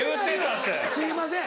「すいません